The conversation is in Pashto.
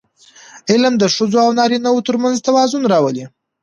علم د ښځو او نارینهوو ترمنځ توازن راولي.